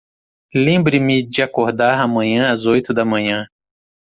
Lembre-me de acordar amanhã às oito da manhã.